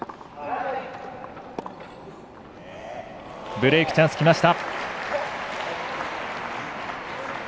ブレークチャンスきました。